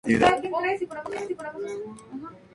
El hongo puede causar la enfermedad en personas sanas.